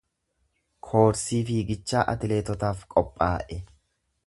Koorsii fiigichaa atleetotaaf qophaa’e.